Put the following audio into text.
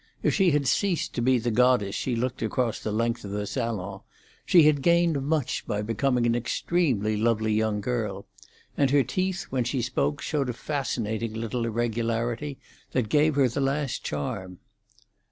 If she had ceased to be the goddess she looked across the length of the salon, she had gained much by becoming an extremely lovely young girl; and her teeth, when she spoke, showed a fascinating little irregularity that gave her the last charm.